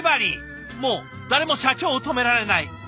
もう誰も社長を止められない。